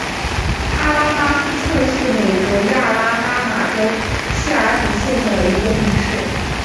阿拉巴斯特是美国亚拉巴马州谢尔比县的一个城市。